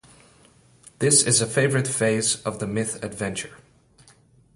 This is a favorite phase of the myth-adventure.